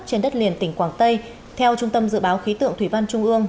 trên đất liền tỉnh quảng tây theo trung tâm dự báo khí tượng thủy văn trung ương